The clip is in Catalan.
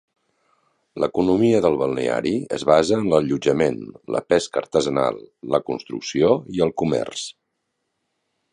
L'economia del balneari es basa en l'allotjament, la pesca artesanal, la construcció i el comerç.